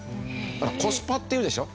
コスパっていうでしょ？